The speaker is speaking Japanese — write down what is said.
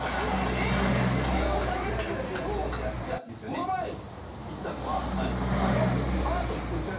この前いったのはあれは。